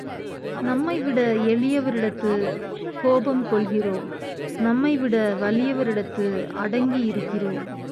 நம்மைவிட எளியவரிடத்துக் கோபம் கொள்கிறோம் நம்மைவிட வலியவரிடத்து அடங்கி இருக்கிறோம்.